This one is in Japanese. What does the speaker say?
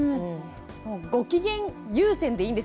ご機嫌優先でいいんですね？